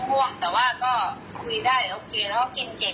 พ่อเจอวงห่วงแต่ว่าก็คุยได้โอเคแล้วก็กินเก่ง